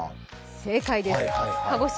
正解です。